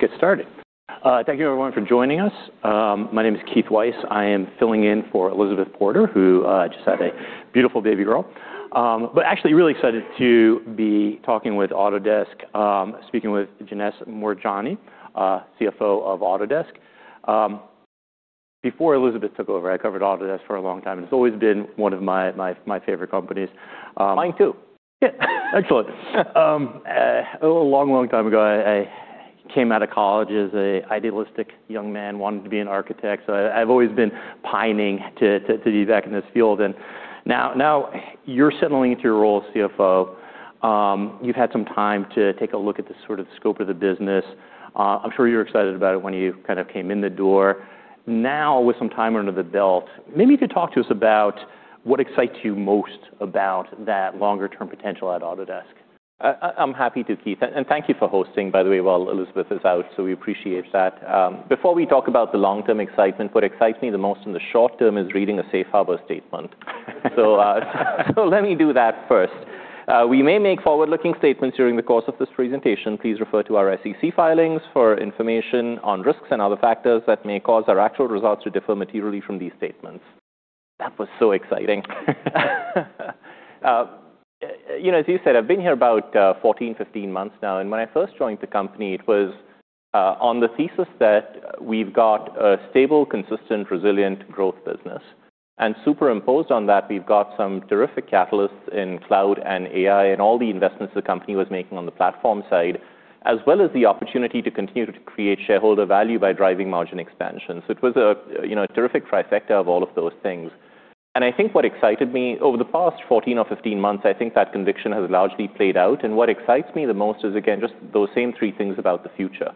All right, let's get started. Thank you everyone for joining us. My name is Keith Weiss. I am filling in for Elizabeth Porter, who, just had a beautiful baby girl. But actually really excited to be talking with Autodesk, speaking with Janesh Moorjani, CFO of Autodesk. Before Elizabeth took over, I covered Autodesk for a long time, and it's always been one of my favorite companies. Mine too. Yeah. Excellent. A long, long time ago, I came out of college as an idealistic young man wanting to be an architect. I've always been pining to be back in this field. Now you're settling into your role as CFO. You've had some time to take a look at the sort of scope of the business. I'm sure you were excited about it when you kind of came in the door. Now, with some time under the belt, maybe you could talk to us about what excites you most about that longer term potential at Autodesk. I'm happy to, Keith, thank you for hosting, by the way, while Elizabeth is out, so we appreciate that. Before we talk about the long-term excitement, what excites me the most in the short term is reading a safe harbor statement. Let me do that first. We may make forward-looking statements during the course of this presentation. Please refer to our SEC filings for information on risks and other factors that may cause our actual results to differ materially from these statements. That was so exciting. You know, as you said, I've been here about 14, 15 months now. When I first joined the company, it was on the thesis that we've got a stable, consistent, resilient growth business, and superimposed on that, we've got some terrific catalysts in cloud and AI and all the investments the company was making on the platform side, as well as the opportunity to continue to create shareholder value by driving margin expansion. It was a, you know, a terrific trifecta of all of those things. I think what excited me over the past 14 or 15 months, I think that conviction has largely played out. What excites me the most is, again, just those same three things about the future.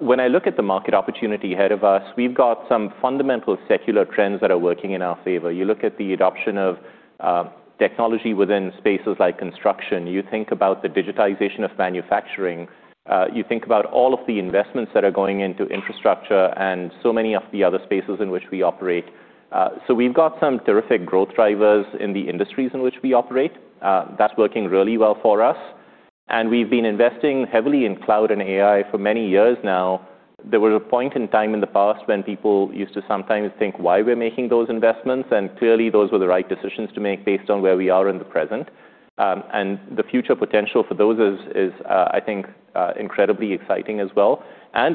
When I look at the market opportunity ahead of us, we've got some fundamental secular trends that are working in our favor. You look at the adoption of technology within spaces like construction. You think about the digitization of manufacturing. You think about all of the investments that are going into infrastructure and so many of the other spaces in which we operate. We've got some terrific growth drivers in the industries in which we operate. That's working really well for us. We've been investing heavily in cloud and AI for many years now. There was a point in time in the past when people used to sometimes think why we're making those investments, and clearly those were the right decisions to make based on where we are in the present. The future potential for those is, I think, incredibly exciting as well.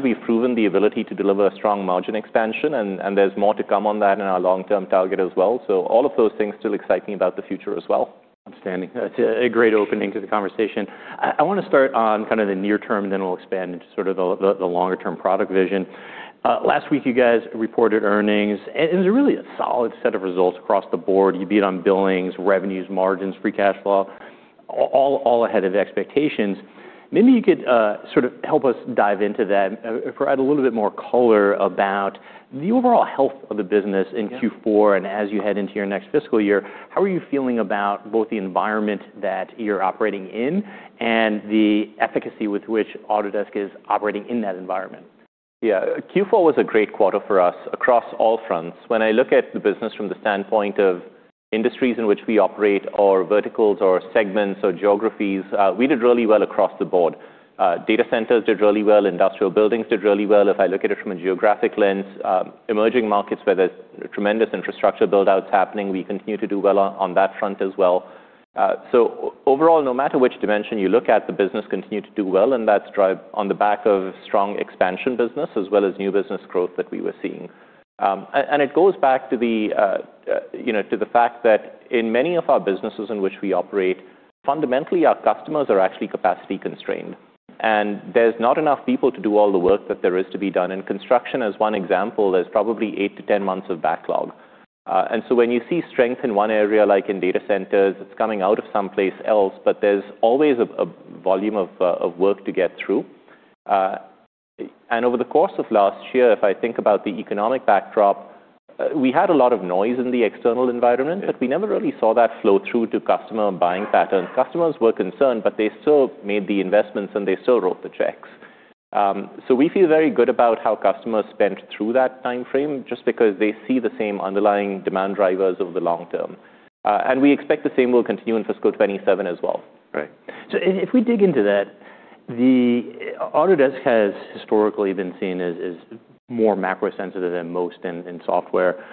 We've proven the ability to deliver a strong margin expansion, and there's more to come on that in our long-term target as well. All of those things still excite me about the future as well. Outstanding. That's a great opening to the conversation. I wanna start on kind of the near term, and then we'll expand into sort of the longer term product vision. Last week, you guys reported earnings, and it was really a solid set of results across the board. You beat on billings, revenues, margins, free cash flow, all ahead of expectations. Maybe you could sort of help us dive into that, provide a little bit more color about the overall health of the business in Q4 and as you head into your next fiscal year, how are you feeling about both the environment that you're operating in and the efficacy with which Autodesk is operating in that environment? Yeah. Q4 was a great quarter for us across all fronts. When I look at the business from the standpoint of industries in which we operate or verticals or segments or geographies, we did really well across the board. Data centers did really well. Industrial buildings did really well. If I look at it from a geographic lens, emerging markets where there's tremendous infrastructure build-outs happening, we continue to do well on that front as well. Overall, no matter which dimension you look at, the business continued to do well, and that's drive on the back of strong expansion business as well as new business growth that we were seeing. And it goes back to the, you know, to the fact that in many of our businesses in which we operate, fundamentally, our customers are actually capacity constrained. There's not enough people to do all the work that there is to be done. In construction, as one example, there's probably eight to 10 months of backlog. When you see strength in one area, like in data centers, it's coming out of someplace else, but there's always a volume of work to get through. Over the course of last year, if I think about the economic backdrop, we had a lot of noise in the external environment, but we never really saw that flow through to customer buying patterns. Customers were concerned, but they still made the investments, and they still wrote the checks. We feel very good about how customers spent through that time frame just because they see the same underlying demand drivers over the long term. We expect the same will continue in fiscal 2027 as well. Right. If we dig into that, the Autodesk has historically been seen as more macro sensitive than most in software.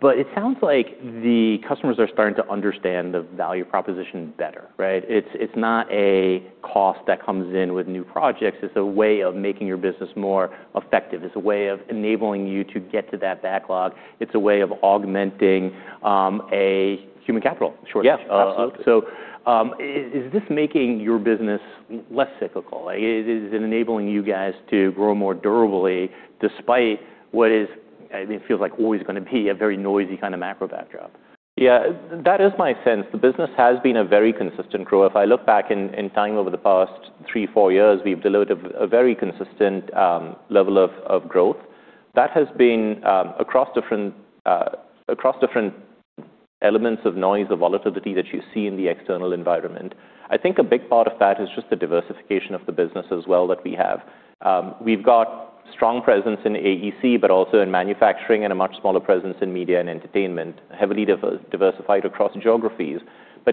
But it sounds like the customers are starting to understand the value proposition better, right? It's not a cost that comes in with new projects. It's a way of making your business more effective. It's a way of enabling you to get to that backlog. It's a way of augmenting a human capital shortage. Yeah. Absolutely. Is this making your business less cyclical? Is it enabling you guys to grow more durably despite what is, it feels like always gonna be a very noisy kind of macro backdrop? Yeah. That is my sense. The business has been a very consistent grow. If I look back in time over the past three, four years, we've delivered a very consistent level of growth. That has been across different elements of noise or volatility that you see in the external environment. I think a big part of that is just the diversification of the business as well that we have. We've got strong presence in AEC, but also in manufacturing and a much smaller presence in media and entertainment, heavily diversified across geographies.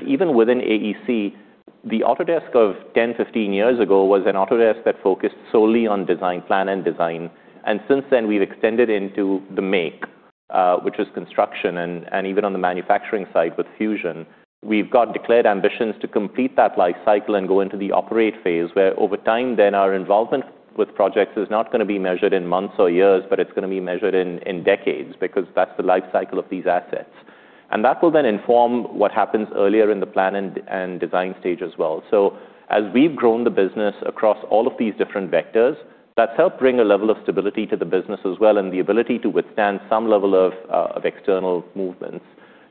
Even within AEC. The Autodesk of 10, 15 years ago was an Autodesk that focused solely on design plan and design. Since then, we've extended into the make, which is construction and even on the manufacturing side with Fusion. We've got declared ambitions to complete that life cycle and go into the operate phase, where over time then our involvement with projects is not gonna be measured in months or years, but it's gonna be measured in decades because that's the life cycle of these assets. That will then inform what happens earlier in the plan and design stage as well. As we've grown the business across all of these different vectors, that's helped bring a level of stability to the business as well and the ability to withstand some level of external movements.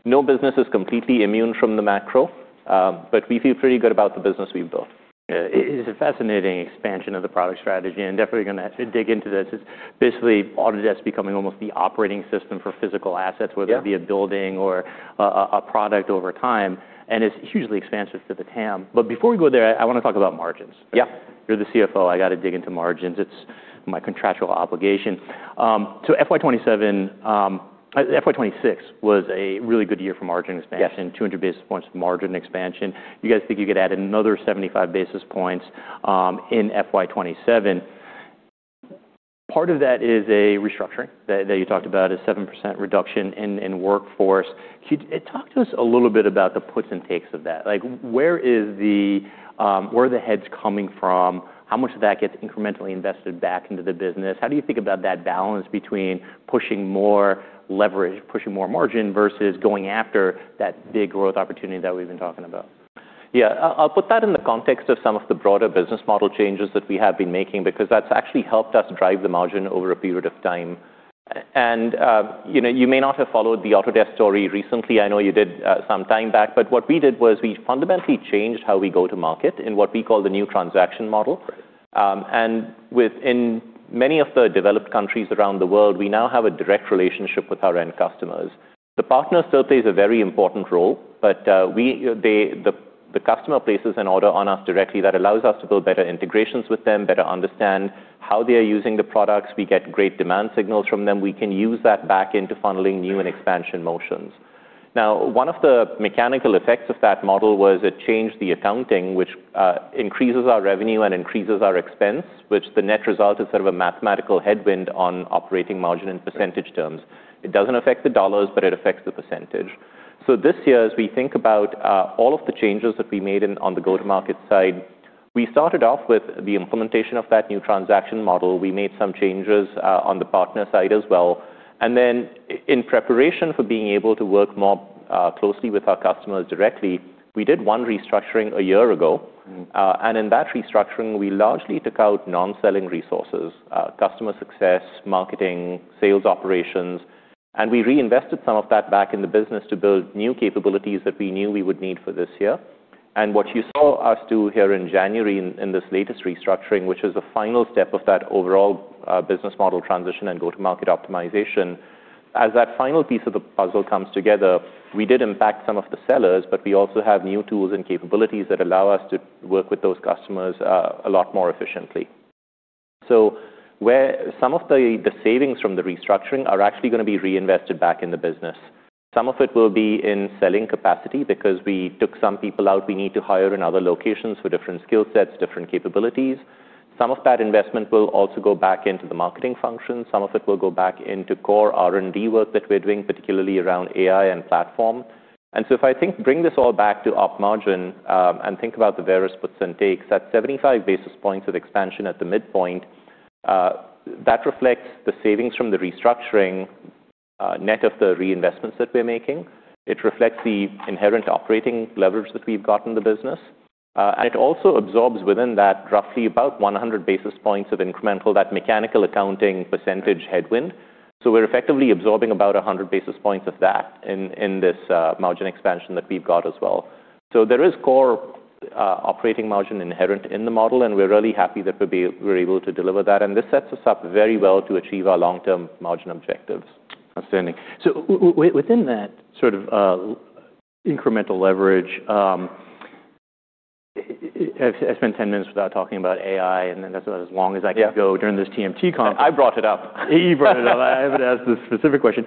No business is completely immune from the macro, but we feel pretty good about the business we've built. Yeah. It is a fascinating expansion of the product strategy, definitely gonna have to dig into this. It's basically Autodesk becoming almost the operating system for physical assets- Yeah Whether it be a building or a product over time, and it's hugely expansive to the TAM. Before we go there, I wanna talk about margins. Yeah. You're the CFO, I gotta dig into margins. It's my contractual obligation. FY 2027, FY 2026 was a really good year for margin expansion. Yes. 200 basis points of margin expansion. You guys think you could add another 75 basis points, in FY 2027? Part of that is a restructuring that you talked about, a 7% reduction in workforce. Talk to us a little bit about the puts and takes of that. Like, where is the, where are the heads coming from? How much of that gets incrementally invested back into the business? How do you think about that balance between pushing more leverage, pushing more margin versus going after that big growth opportunity that we've been talking about? Yeah. I'll put that in the context of some of the broader business model changes that we have been making because that's actually helped us drive the margin over a period of time. You know, you may not have followed the Autodesk story recently. I know you did some time back. What we did was we fundamentally changed how we go to market in what we call the new transaction model. Within many of the developed countries around the world, we now have a direct relationship with our end customers. The partner still plays a very important role, but we, they, the customer places an order on us directly that allows us to build better integrations with them, better understand how they are using the products. We get great demand signals from them. We can use that back into funneling new and expansion motions. One of the mechanical effects of that model was it changed the accounting, which increases our revenue and increases our expense, which the net result is sort of a mathematical headwind on operating margin in percentage terms. It doesn't affect the dollars, but it affects the percentage. This year, as we think about all of the changes that we made on the go-to-market side, we started off with the implementation of that new transaction model. We made some changes on the partner side as well. Then in preparation for being able to work more closely with our customers directly, we did one restructuring a year ago. Mm-hmm. In that restructuring, we largely took out non-selling resources, customer success, marketing, sales operations, and we reinvested some of that back in the business to build new capabilities that we knew we would need for this year. What you saw us do here in January in this latest restructuring, which is the final step of that overall business model transition and go-to-market optimization, as that final piece of the puzzle comes together, we did impact some of the sellers, but we also have new tools and capabilities that allow us to work with those customers a lot more efficiently. Where some of the savings from the restructuring are actually gonna be reinvested back in the business. Some of it will be in selling capacity because we took some people out. We need to hire in other locations for different skill sets, different capabilities. Some of that investment will also go back into the marketing function. Some of it will go back into core R&D work that we're doing, particularly around AI and platform. If I think bring this all back to op margin, and think about the various puts and takes, that 75 basis points of expansion at the midpoint, that reflects the savings from the restructuring, net of the reinvestments that we're making. It reflects the inherent operating leverage that we've got in the business, and it also absorbs within that roughly about 100 basis points of incremental, that mechanical accounting percentage headwind. We're effectively absorbing about 100 basis points of that in this margin expansion that we've got as well. There is core, operating margin inherent in the model, and we're really happy that we're able to deliver that. This sets us up very well to achieve our long-term margin objectives. Outstanding. within that sort of incremental leverage, I've spent 10 minutes without talking about AI, and then that's about as long as I can go- Yeah during this TMT conference. I brought it up. You brought it up. I haven't asked a specific question.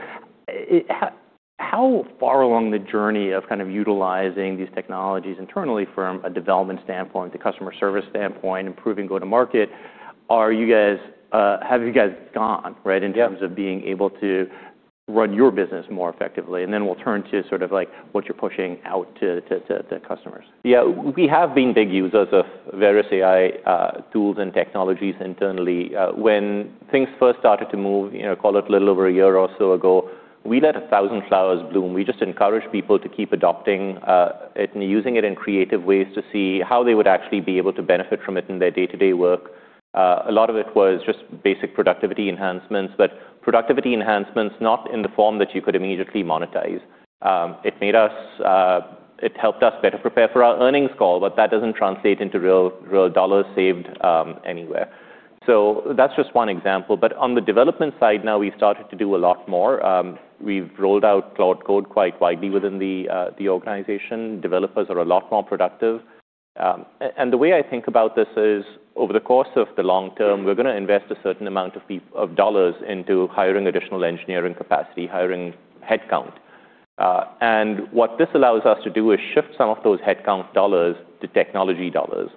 How far along the journey of kind of utilizing these technologies internally from a development standpoint, the customer service standpoint, improving go-to-market, are you guys, have you guys gone, right? Yeah In terms of being able to run your business more effectively? Then we'll turn to sort of like what you're pushing out to customers. We have been big users of various AI tools and technologies internally. When things first started to move, you know, call it a little over a year or so ago, we let 1,000 flowers bloom. We just encouraged people to keep adopting it and using it in creative ways to see how they would actually be able to benefit from it in their day-to-day work. A lot of it was just basic productivity enhancements, but productivity enhancements not in the form that you could immediately monetize. It made us, it helped us better prepare for our earnings call, but that doesn't translate into real dollars saved anywhere. That's just one example. On the development side now, we've started to do a lot more. We've rolled out Cloud Code quite widely within the organization. Developers are a lot more productive. The way I think about this is, over the course of the long term, we're gonna invest a certain amount of dollars into hiring additional engineering capacity, hiring headcount. What this allows us to do is shift some of those headcount dollars to technology dollars.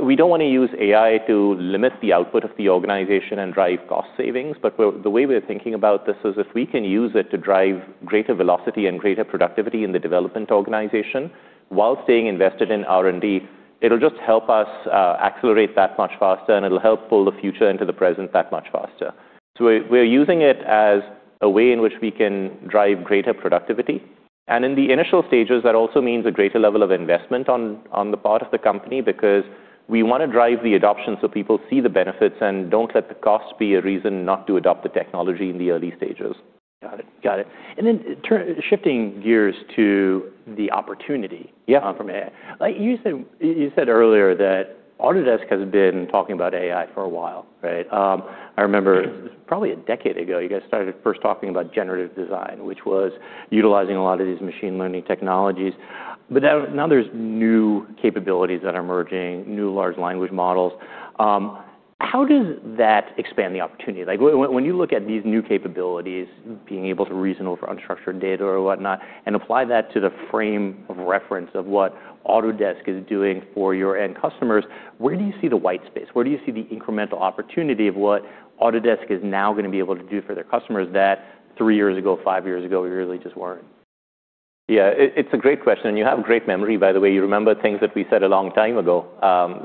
We don't wanna use AI to limit the output of the organization and drive cost savings, the way we're thinking about this is if we can use it to drive greater velocity and greater productivity in the development organization while staying invested in R&D, it'll just help us accelerate that much faster, and it'll help pull the future into the present that much faster. We're using it as a way in which we can drive greater productivity. In the initial stages, that also means a greater level of investment on the part of the company because we wanna drive the adoption so people see the benefits and don't let the cost be a reason not to adopt the technology in the early stages. Got it. Shifting gears to the opportunity. Yeah. From AI. Like you said, you said earlier that Autodesk has been talking about AI for a while, right? I remember probably a decade ago, you guys started first talking about generative design, which was utilizing a lot of these machine learning technologies. But now there's new capabilities that are emerging, new large language models. How does that expand the opportunity? Like when you look at these new capabilities, being able to reason over unstructured data or whatnot, and apply that to the frame of reference of what Autodesk is doing for your end customers, where do you see the white space? Where do you see the incremental opportunity of what Autodesk is now gonna be able to do for their customers that three years ago, five years ago, you really just weren't? Yeah. It, it's a great question, and you have a great memory by the way. You remember things that we said a long time ago.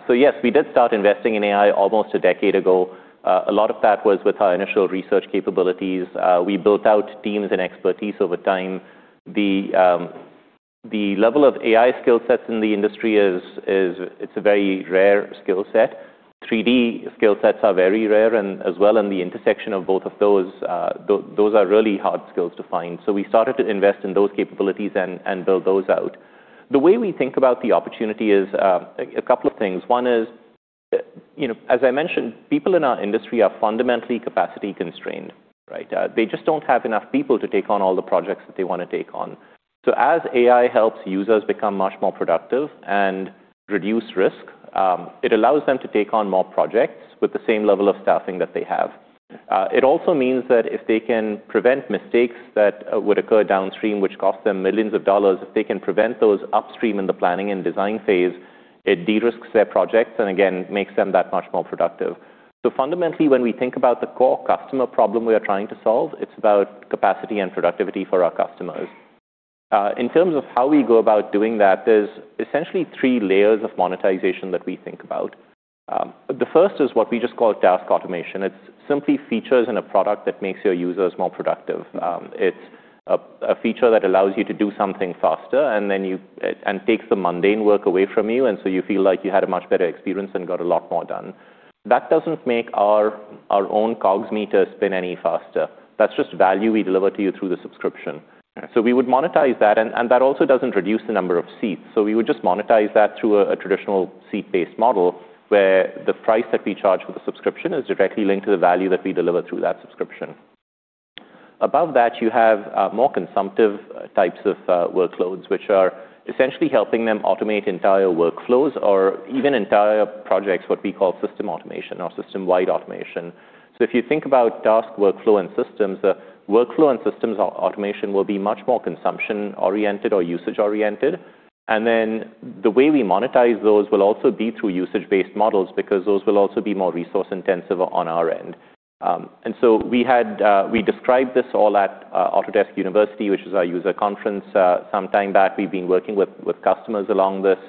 Yes, we did start investing in AI almost a decade ago. A lot of that was with our initial research capabilities. We built out teams and expertise over time. The level of AI skill sets in the industry, it's a very rare skill set. 3D skill sets are very rare and as well, the intersection of both of those are really hard skills to find. We started to invest in those capabilities and build those out. The way we think about the opportunity is a couple of things. One is, you know, as I mentioned, people in our industry are fundamentally capacity constrained, right? They just don't have enough people to take on all the projects that they wanna take on. As AI helps users become much more productive and reduce risk, it allows them to take on more projects with the same level of staffing that they have. It also means that if they can prevent mistakes that would occur downstream, which cost them millions of dollars, if they can prevent those upstream in the planning and design phase, it de-risks their projects and again, makes them that much more productive. Fundamentally, when we think about the core customer problem we are trying to solve, it's about capacity and productivity for our customers. In terms of how we go about doing that, there's essentially three layers of monetization that we think about. The first is what we just call task automation. It's simply features in a product that makes your users more productive. It's a feature that allows you to do something faster and takes the mundane work away from you, and so you feel like you had a much better experience and got a lot more done. That doesn't make our own COGS meter spin any faster. That's just value we deliver to you through the subscription. Yeah. We would monetize that, and that also doesn't reduce the number of seats. We would just monetize that through a traditional seat-based model, where the price that we charge for the subscription is directly linked to the value that we deliver through that subscription. Above that, you have more consumptive types of workloads, which are essentially helping them automate entire workflows or even entire projects, what we call system automation or system-wide automation. If you think about task workflow and systems, workflow and systems automation will be much more consumption-oriented or usage-oriented. The way we monetize those will also be through usage-based models because those will also be more resource-intensive on our end. We described this all at Autodesk University, which is our user conference, some time back. We've been working with customers along this.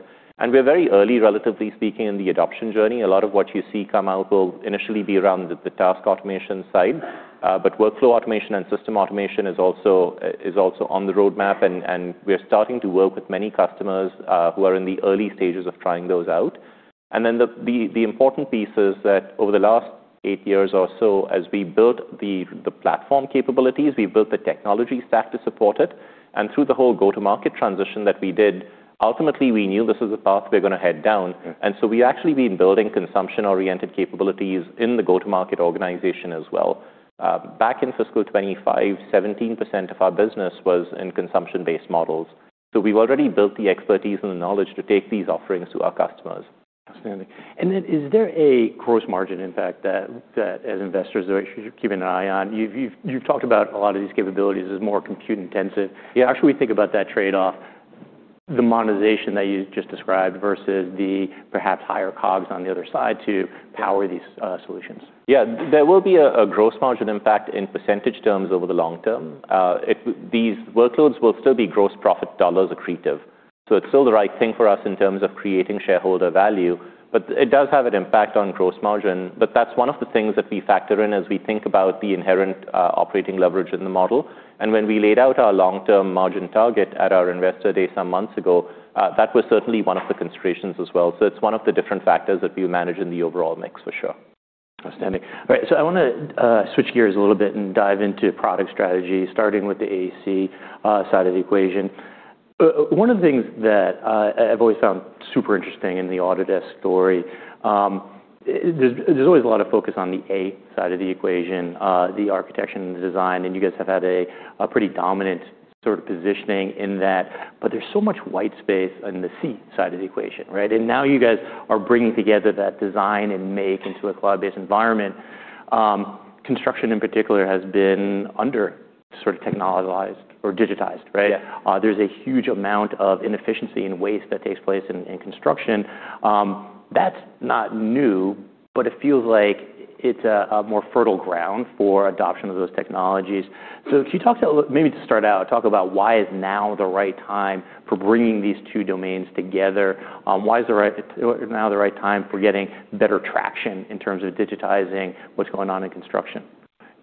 We're very early, relatively speaking, in the adoption journey. A lot of what you see come out will initially be around the task automation side. Workflow automation and system automation is also on the roadmap. We are starting to work with many customers who are in the early stages of trying those out. The important piece is that over the last eight years or so, as we built the platform capabilities, we built the technology stack to support it, and through the whole go-to-market transition that we did, ultimately, we knew this is the path we're gonna head down. Mm-hmm. We actually been building consumption-oriented capabilities in the go-to-market organization as well. Back in fiscal 2025, 17% of our business was in consumption-based models. We've already built the expertise and the knowledge to take these offerings to our customers. Fantastic. Then is there a gross margin impact that as investors we should keep an eye on? You've talked about a lot of these capabilities as more compute-intensive. How should we think about that trade-off, the monetization that you just described versus the perhaps higher COGS on the other side to power these solutions? There will be a gross margin impact in percentage terms over the long term. These workloads will still be gross profit dollars accretive. It's still the right thing for us in terms of creating shareholder value, but it does have an impact on gross margin, but that's one of the things that we factor in as we think about the inherent operating leverage in the model. When we laid out our long-term margin target at our investor day some months ago, that was certainly one of the considerations as well. It's one of the different factors that we manage in the overall mix for sure. Outstanding. So I wanna switch gears a little bit and dive into product strategy, starting with the AEC side of the equation. One of the things that I've always found super interesting in the Autodesk story, there's always a lot of focus on the A side of the equation, the architecture and design, and you guys have had a pretty dominant sort of positioning in that. There's so much white space in the C side of the equation, right? Now you guys are bringing together that design and make into a cloud-based environment. Construction in particular has been under sort of technologized or digitized, right? Yeah. There's a huge amount of inefficiency and waste that takes place in construction. That's not new, but it feels like it's a more fertile ground for adoption of those technologies. Could you talk maybe to start out, talk about why is now the right time for bringing these two domains together? Why is now the right time for getting better traction in terms of digitizing what's going on in construction?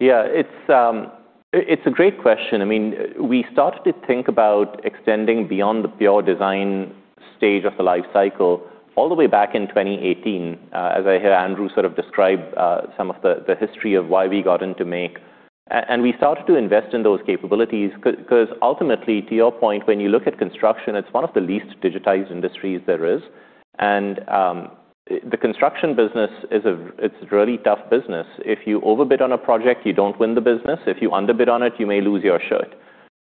Yeah. It's a great question. I mean, we started to think about extending beyond the pure design stage of the life cycle all the way back in 2018, as I hear Andrew sort of describe some of the history of why we got into Make. We started to invest in those capabilities 'cause ultimately, to your point, when you look at construction, it's one of the least digitized industries there is. The construction business is a really tough business. If you overbid on a project, you don't win the business. If you underbid on it, you may lose your shirt.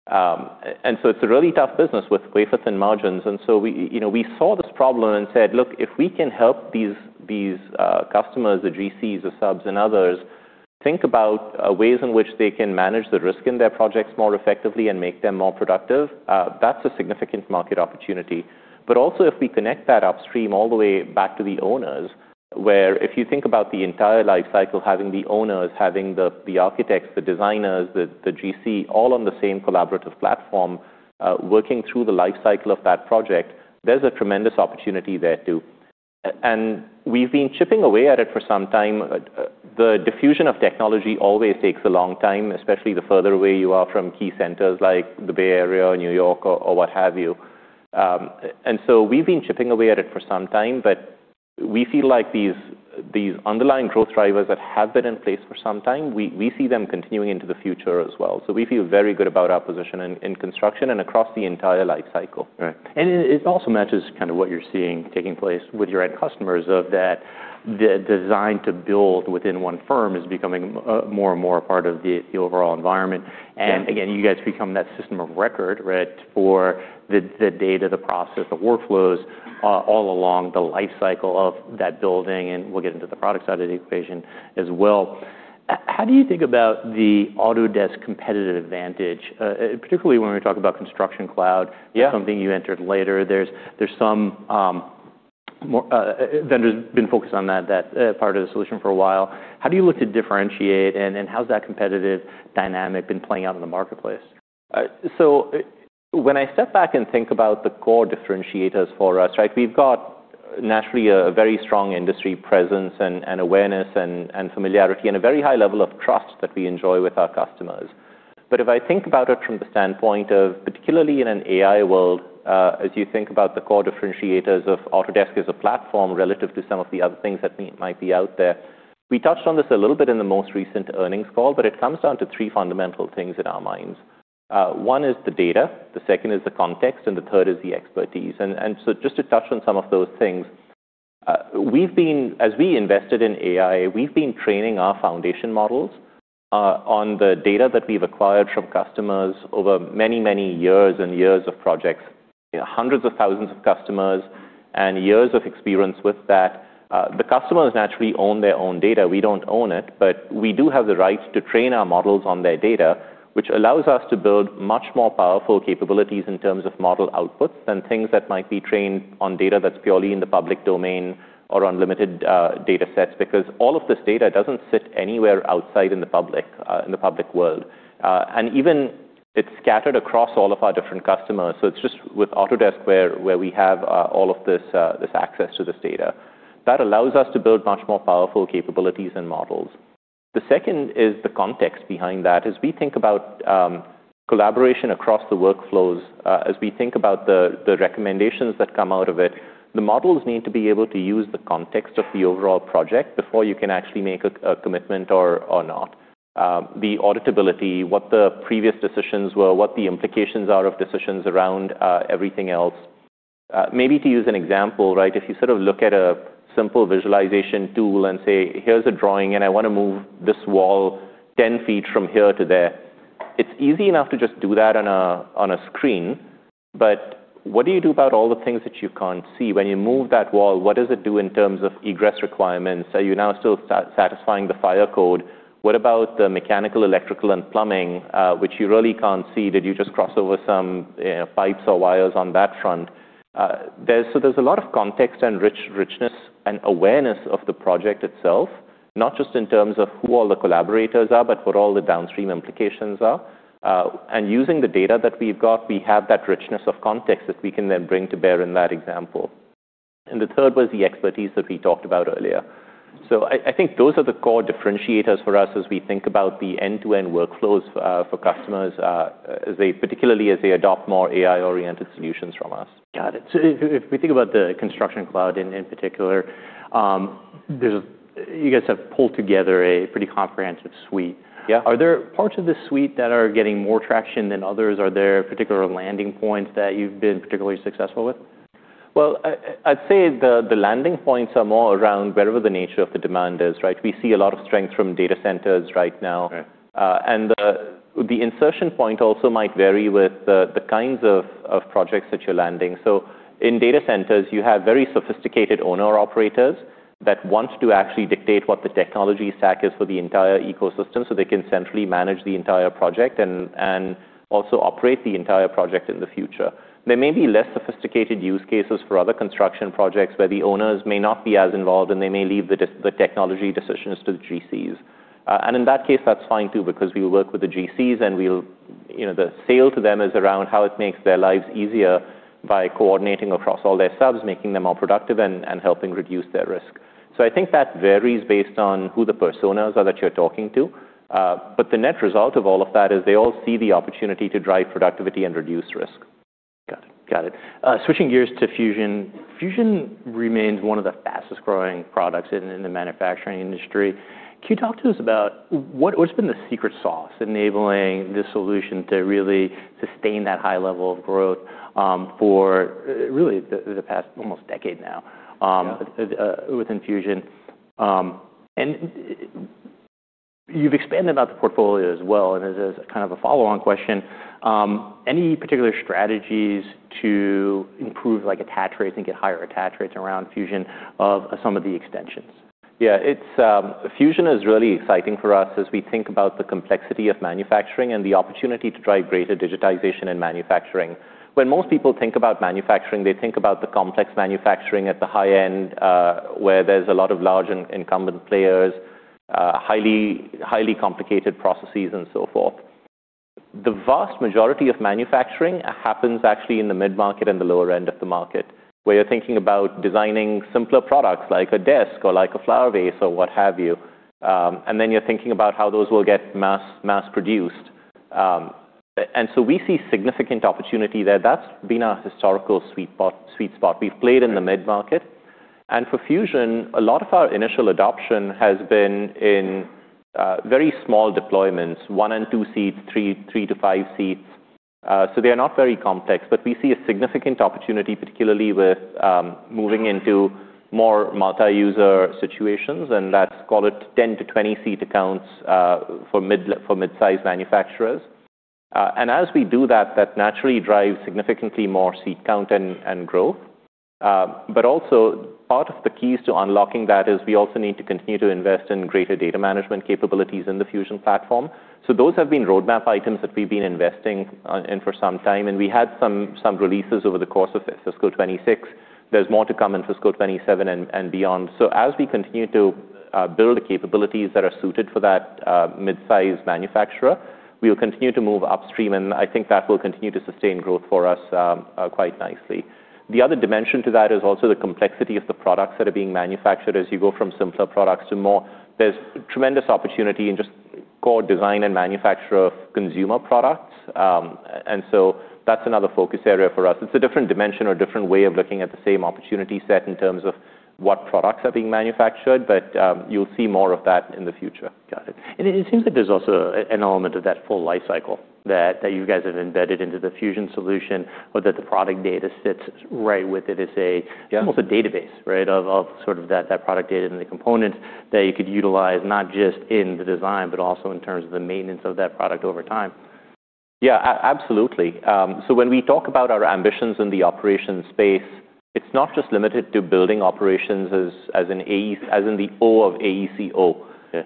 It's a really tough business with wafer-thin margins. We, you know, we saw this problem and said, "Look, if we can help these customers, the GCs, the subs and others think about ways in which they can manage the risk in their projects more effectively and make them more productive, that's a significant market opportunity." Also, if we connect that upstream all the way back to the owners, where if you think about the entire life cycle, having the owners, having the architects, the designers, the GC all on the same collaborative platform, working through the life cycle of that project, there's a tremendous opportunity there too. We've been chipping away at it for some time. The diffusion of technology always takes a long time, especially the further away you are from key centers like the Bay Area or New York or what have you. We've been chipping away at it for some time, but we feel like these underlying growth drivers that have been in place for some time, we see them continuing into the future as well. We feel very good about our position in construction and across the entire life cycle. Right. It also matches kind of what you're seeing taking place with your end customers of that, the design to build within one firm is becoming more and more a part of the overall environment. Yeah. Again, you guys become that system of record, right, for the data, the process, the workflows, all along the life cycle of that building, and we'll get into the product side of the equation as well. How do you think about the Autodesk competitive advantage? Particularly when we talk about Construction Cloud? Yeah Something you entered later. There's some more vendors been focused on that part of the solution for a while. How do you look to differentiate, and how's that competitive dynamic been playing out in the marketplace? When I step back and think about the core differentiators for us, right. We've got naturally a very strong industry presence and awareness and familiarity and a very high level of trust that we enjoy with our customers. If I think about it from the standpoint of particularly in an AI world, as you think about the core differentiators of Autodesk as a platform relative to some of the other things that might be out there, we touched on this a little bit in the most recent earnings call, but it comes down to three fundamental things in our minds. One is the data, the second is the context, and the third is the expertise. Just to touch on some of those things, as we invested in AI, we've been training our foundation models on the data that we've acquired from customers over many, many years and years of projects, hundreds of thousands of customers and years of experience with that. The customers naturally own their own data. We don't own it, but we do have the rights to train our models on their data, which allows us to build much more powerful capabilities in terms of model outputs than things that might be trained on data that's purely in the public domain or on limited data sets because all of this data doesn't sit anywhere outside in the public, in the public world. Even it's scattered across all of our different customers. It's just with Autodesk where we have all of this access to this data. That allows us to build much more powerful capabilities and models. The second is the context behind that. As we think about collaboration across the workflows, as we think about the recommendations that come out of it, the models need to be able to use the context of the overall project before you can actually make a commitment or not. The auditability, what the previous decisions were, what the implications are of decisions around everything else. Maybe to use an example, right? If you sort of look at a simple visualization tool and say, "Here's a drawing, and I wanna move this wall 10 ft from here to there," it's easy enough to just do that on a screen. But what do you do about all the things that you can't see? When you move that wall, what does it do in terms of egress requirements? Are you now still satisfying the fire code? What about the mechanical, electrical, and plumbing, which you really can't see? Did you just cross over some pipes or wires on that front? There's a lot of context and richness and awareness of the project itself, not just in terms of who all the collaborators are, but what all the downstream implications are. Using the data that we've got, we have that richness of context that we can then bring to bear in that example. The third was the expertise that we talked about earlier. I think those are the core differentiators for us as we think about the end-to-end workflows, for customers, as they, particularly as they adopt more AI-oriented solutions from us. Got it. if we think about the Construction Cloud in particular, you guys have pulled together a pretty comprehensive suite. Yeah. Are there parts of the suite that are getting more traction than others? Are there particular landing points that you've been particularly successful with? I'd say the landing points are more around wherever the nature of the demand is, right? We see a lot of strength from data centers right now. Right. The insertion point also might vary with the kinds of projects that you're landing. In data centers, you have very sophisticated owner-operators that want to actually dictate what the technology stack is for the entire ecosystem, so they can centrally manage the entire project and also operate the entire project in the future. There may be less sophisticated use cases for other construction projects where the owners may not be as involved, and they may leave the technology decisions to the GCs. In that case, that's fine too because we work with the GCs and we'll, you know, the sale to them is around how it makes their lives easier by coordinating across all their subs, making them more productive and helping reduce their risk. I think that varies based on who the personas are that you're talking to. The net result of all of that is they all see the opportunity to drive productivity and reduce risk. Got it. Got it. Switching gears to Fusion. Fusion remains one of the fastest-growing products in the manufacturing industry. Can you talk to us about what's been the secret sauce enabling this solution to really sustain that high level of growth for really the past almost decade now? Yeah Within Fusion. You've expanded out the portfolio as well, and as a, kind of a follow-on question, any particular strategies to improve, like, attach rates and get higher attach rates around Fusion of some of the extensions? Yeah. Fusion is really exciting for us as we think about the complexity of manufacturing and the opportunity to drive greater digitization in manufacturing. When most people think about manufacturing, they think about the complex manufacturing at the high end, where there's a lot of large incumbent players, highly complicated processes and so forth. The vast majority of manufacturing happens actually in the mid-market and the lower end of the market, where you're thinking about designing simpler products like a desk or like a flower vase or what have you. You're thinking about how those will get mass-produced. We see significant opportunity there. That's been our historical sweet spot. We've played in the mid-market. For Fusion, a lot of our initial adoption has been in very small deployments, one and two seats, three to five seats. So they are not very complex, but we see a significant opportunity, particularly with moving into more multi-user situations, and let's call it 10 to 20 seat accounts, for midsize manufacturers. As we do that, that naturally drives significantly more seat count and growth. But also part of the keys to unlocking that is we also need to continue to invest in greater data management capabilities in the Fusion platform. Those have been roadmap items that we've been investing in for some time, and we had some releases over the course of fiscal 2026. There's more to come in fiscal 2027 and beyond. As we continue to build the capabilities that are suited for that midsize manufacturer, we will continue to move upstream, and I think that will continue to sustain growth for us quite nicely. The other dimension to that is also the complexity of the products that are being manufactured as you go from simpler products to more. There's tremendous opportunity in just core design and manufacture of consumer products. That's another focus area for us. It's a different dimension or different way of looking at the same opportunity set in terms of what products are being manufactured. You'll see more of that in the future. Got it. It seems like there's also an element of that full life cycle that you guys have embedded into the Fusion solution or that the product data sits right with it. Yeah Almost a database, right, of sort of that product data and the components that you could utilize not just in the design, but also in terms of the maintenance of that product over time. Yeah. Absolutely. When we talk about our ambitions in the operations space, it's not just limited to building operations as in the O of AECO. Yeah.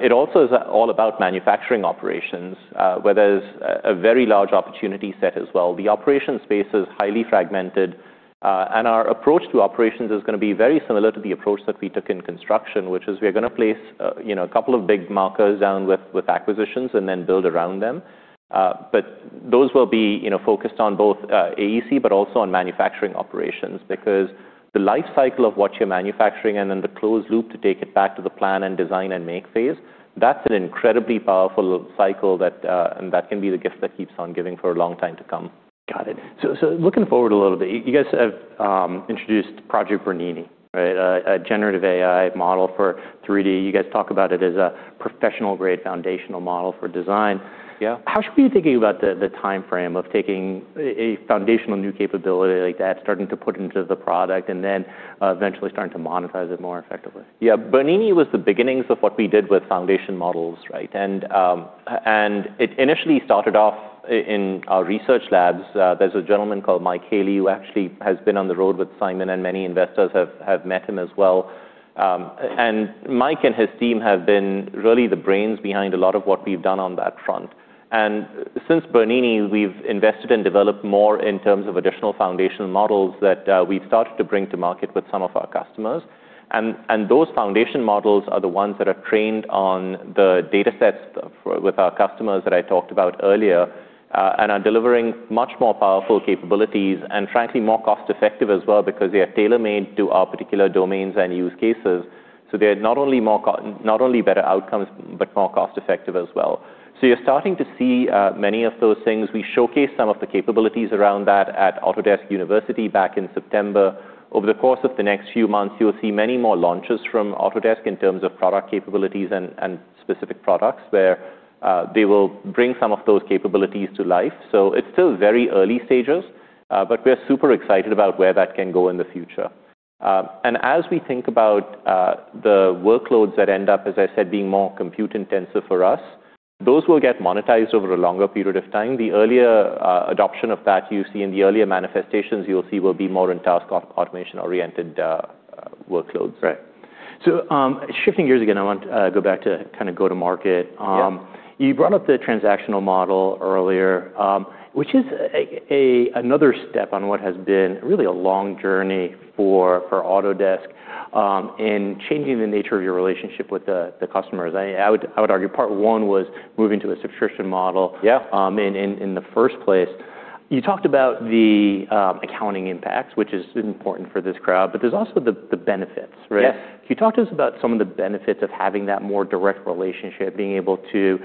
It also is all about manufacturing operations, where there's a very large opportunity set as well. The operations space is highly fragmented, our approach to operations is gonna be very similar to the approach that we took in construction, which is we're gonna place, you know, a couple of big markers down with acquisitions and then build around them. But those will be, you know, focused on both AEC, but also on manufacturing operations because the life cycle of what you're manufacturing and then the closed loop to take it back to the plan and design and make phase, that's an incredibly powerful cycle that can be the gift that keeps on giving for a long time to come. Got it. Looking forward a little bit, you guys have introduced Project Bernini, right? A generative AI model for 3D. You guys talk about it as a professional-grade foundational model for design. Yeah. How should we be thinking about the timeframe of taking a foundational new capability like that, starting to put into the product, and then eventually starting to monetize it more effectively? Yeah. Bernini was the beginnings of what we did with foundation models, right? It initially started off in our research labs. There's a gentleman called Mike Haley, who actually has been on the road with Simon, and many investors have met him as well. Mike and his team have been really the brains behind a lot of what we've done on that front. Since Bernini, we've invested and developed more in terms of additional foundational models that we've started to bring to market with some of our customers. Those foundation models are the ones that are trained on the datasets with our customers that I talked about earlier, and are delivering much more powerful capabilities and frankly more cost-effective as well because they are tailor-made to our particular domains and use cases. They're not only better outcomes, but more cost-effective as well. You're starting to see many of those things. We showcased some of the capabilities around that at Autodesk University back in September. Over the course of the next few months, you will see many more launches from Autodesk in terms of product capabilities and specific products where they will bring some of those capabilities to life. It's still very early stages, but we're super excited about where that can go in the future. And as we think about the workloads that end up, as I said, being more compute-intensive for us, those will get monetized over a longer period of time. The earlier adoption of that you see in the earlier manifestations you'll see will be more in task automation-oriented workloads. Shifting gears again, I want go back to kinda go-to-market. Yeah. You brought up the transactional model earlier, which is another step on what has been really a long journey for Autodesk. In changing the nature of your relationship with the customers, I would argue part one was moving to a subscription model- Yeah In the first place. You talked about the accounting impacts, which is important for this crowd, but there's also the benefits, right? Yes. Can you talk to us about some of the benefits of having that more direct relationship, being able to,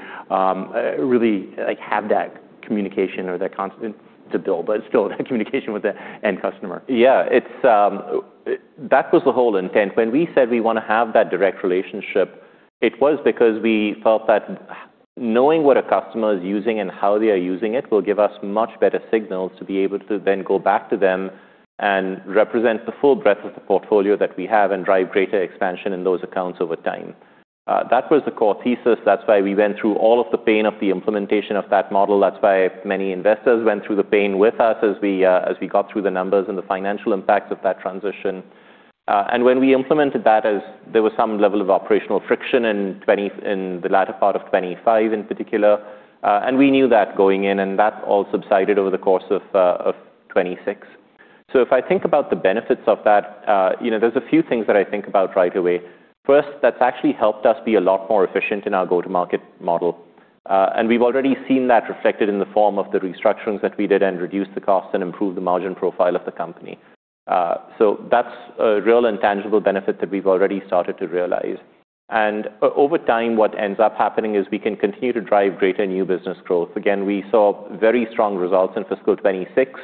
really, like, have that communication or that it's a bill, but still that communication with the end customer? Yeah. It's- that was the whole intent. When we said we want to have that direct relationship, it was because we felt that knowing what a customer is using and how they are using it will give us much better signals to be able to then go back to them and represent the full breadth of the portfolio that we have and drive greater expansion in those accounts over time. That was the core thesis. That's why we went through all of the pain of the implementation of that model. That's why many investors went through the pain with us as we got through the numbers and the financial impacts of that transition. When we implemented that, as there was some level of operational friction in the latter part of 2025 in particular, and we knew that going in, and that's all subsided over the course of 2026. If I think about the benefits of that, you know, there's a few things that I think about right away. First, that's actually helped us be a lot more efficient in our go-to-market model, and we've already seen that reflected in the form of the restructurings that we did and reduced the cost and improved the margin profile of the company. That's a real and tangible benefit that we've already started to realize. Over time, what ends up happening is we can continue to drive greater new business growth. Again, we saw very strong results in fiscal 2026.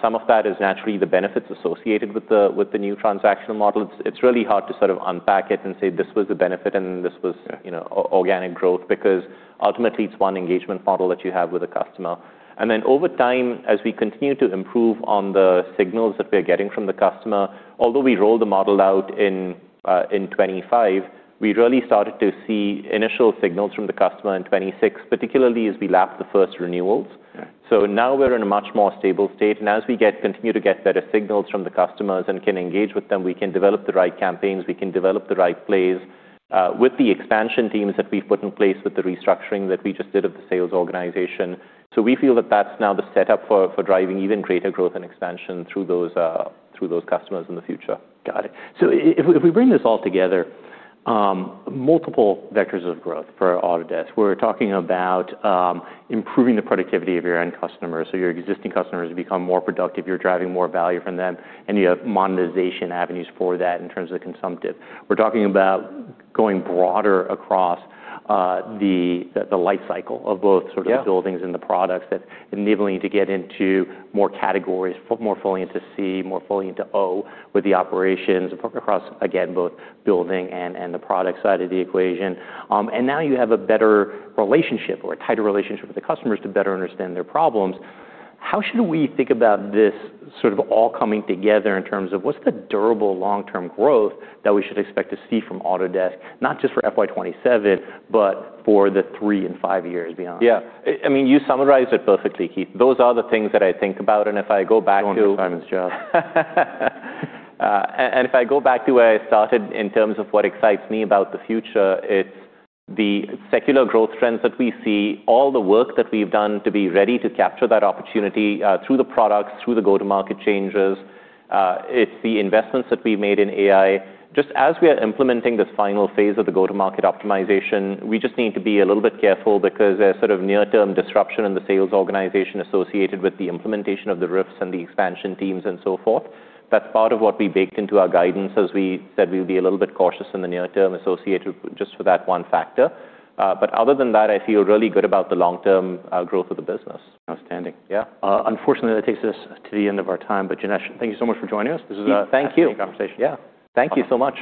Some of that is naturally the benefits associated with the new transaction model. It's really hard to sort of unpack it and say, "This was the benefit and this was... Yeah you know, organic growth" because ultimately it's one engagement model that you have with a customer. Then over time, as we continue to improve on the signals that we're getting from the customer, although we rolled the model out in 2025, we really started to see initial signals from the customer in 2026, particularly as we lapped the first renewals. Yeah. Now we're in a much more stable state, and as we continue to get better signals from the customers and can engage with them, we can develop the right campaigns, we can develop the right plays with the expansion teams that we've put in place with the restructuring that we just did of the sales organization. We feel that that's now the setup for driving even greater growth and expansion through those customers in the future. Got it. If we bring this all together, multiple vectors of growth for Autodesk. We're talking about improving the productivity of your end customer. Your existing customers become more productive, you're driving more value from them, and you have monetization avenues for that in terms of the consumptive. We're talking about going broader across the life cycle of both sort of- Yeah buildings and the products that enabling you to get into more categories, more fully into C, more fully into O with the operations across, again, both building and the product side of the equation. Now you have a better relationship or a tighter relationship with the customers to better understand their problems. How should we think about this sort of all coming together in terms of what's the durable long-term growth that we should expect to see from Autodesk, not just for FY 2027, but for the three and five years beyond? Yeah. I mean, you summarized it perfectly, Keith. Those are the things that I think about. If I go back to where I started in terms of what excites me about the future, it's the secular growth trends that we see, all the work that we've done to be ready to capture that opportunity, through the products, through the go-to-market changes. It's the investments that we made in AI. Just as we are implementing this final phase of the go-to-market optimization, we just need to be a little bit careful because there's sort of near-term disruption in the sales organization associated with the implementation of the RIF and the expansion teams and so forth. That's part of what we baked into our guidance. As we said, we'll be a little bit cautious in the near term associated just with that one factor. Other than that, I feel really good about the long-term, growth of the business. Outstanding. Yeah. Unfortunately, that takes us to the end of our time. Janesh, thank you so much for joining us. This was- Thank you. Fascinating conversation. Yeah. Thank you so much.